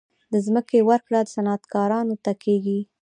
د ځمکې ورکړه صنعتکارانو ته کیږي